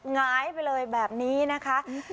หงายไปเลยแบบนี้นะคะ